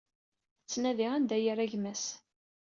Tettnadi anda i yerra gma-s.